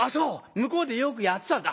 向こうでよくやってたんだ」。